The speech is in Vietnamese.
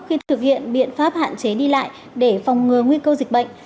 khi thực hiện biện pháp hạn chế đi lại để phòng ngừa nguy cơ dịch bệnh